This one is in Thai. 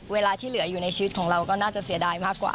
เวลาที่เหลืออยู่ในชีวิตของเราก็น่าจะเสียดายมากกว่า